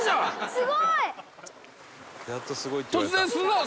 すごーい！